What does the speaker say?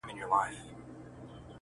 غازي د خپلي خور پوړني ته بازار لټوي-